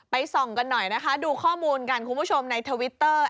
ส่องกันหน่อยนะคะดูข้อมูลกันคุณผู้ชมในทวิตเตอร์